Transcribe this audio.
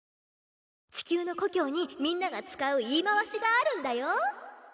地球の故郷にみんなが使う言い回しがあるんだよ。